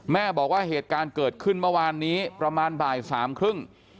แม่บอกว่าเหตุการณ์เกิดขึ้นเมื่อวานนี้ประมาณบ่ายสามครึ่ง